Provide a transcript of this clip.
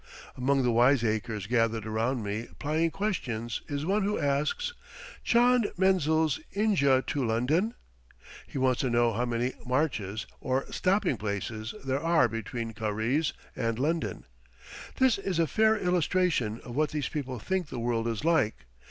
Among the wiseacres gathered around me plying questions, is one who asks, "Chand menzils inja to London?" He wants to know how many marches, or stopping places, there are between Karize and London. This is a fair illustration of what these people think the world is like.